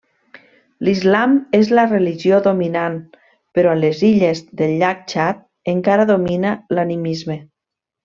L'islam és la religió dominant però a les illes del llac Txad encara domina l'animisme.